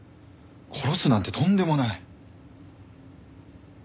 殺すなんてとんでもない！